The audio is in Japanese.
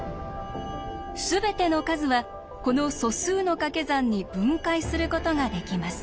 全ての数はこの素数のかけ算に分解することができます。